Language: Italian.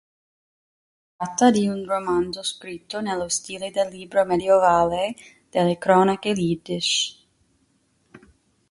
Si tratta di un romanzo scritto nello stile del libro medioevale delle cronache yiddish.